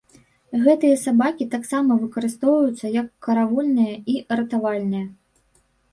Гэтыя сабакі таксама выкарыстоўваюцца як каравульныя і ратавальныя.